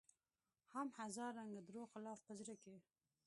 هم هزار رنګه دروغ خلاف په زړه کې